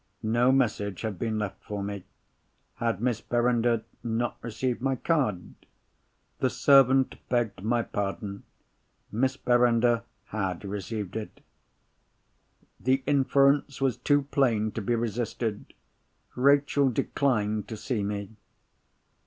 No message had been left for me. Had Miss Verinder not received my card? The servant begged my pardon—Miss Verinder had received it. The inference was too plain to be resisted. Rachel declined to see me.